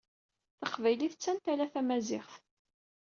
Taqbaylit d tantala tamaziɣt.